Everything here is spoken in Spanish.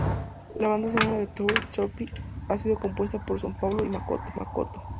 La banda sonora de "Tourist Trophy" ha sido compuesta por Sun Paulo y Makoto.